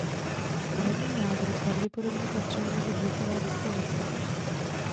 Hradní jádro pravděpodobně patřilo mezi blokové dispozice.